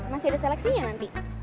masih ada seleksinya nanti